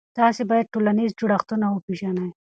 تاسې باید ټولنیز جوړښتونه وپېژنئ.